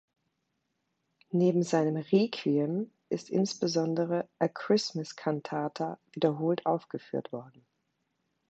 Neben seinem "Requiem" ist insbesondere "A Christmas Cantata" wiederholt aufgeführt worden.